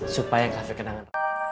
supaya kafe kenangan